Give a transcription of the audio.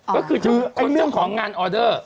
ก็คือคนเจ้าของงานออเดอร์